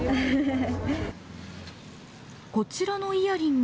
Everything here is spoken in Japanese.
こちらのイヤリング。